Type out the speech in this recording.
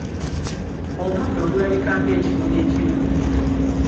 Omuddo gulabika ng'ekimuli ekirungi.